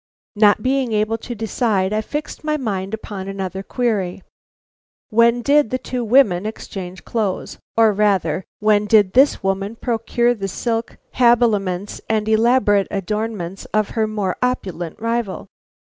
Not being able to decide, I fixed my mind upon another query. When did the two women exchange clothes, or rather, when did this woman procure the silk habiliments and elaborate adornments of her more opulent rival?